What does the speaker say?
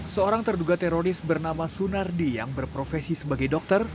seorang terduga teroris bernama sunardi yang berprofesi sebagai dokter